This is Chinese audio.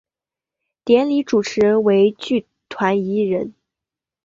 典礼主持人为剧团一人。